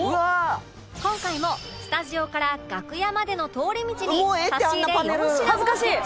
今回もスタジオから楽屋までの通り道に差し入れ４品を設置